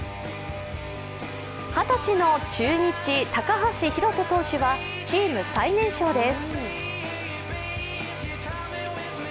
２０歳の中日・高橋宏斗投手はチーム最年少です。